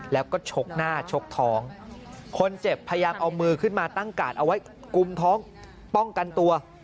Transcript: แล้วก็ชกหน้าชกท้องคนเจ็บพยายามเอามือขึ้นมาตั้งกาดเอาไว้กุมท้องป้องกันตัว